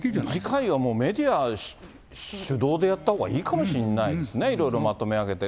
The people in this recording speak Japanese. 次回はもう、メディア主導でやったほういいかもしれないですね、いろいろまとめ上げて。